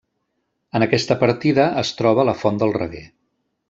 En aquesta partida es troba la Font del Reguer.